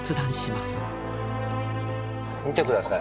見てください。